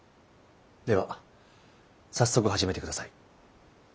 では早速始めてください。